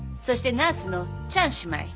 そしてナースのチャン姉妹。